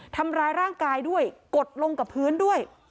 ทำร้ายร่างกายด้วยกดลงกับพื้นด้วย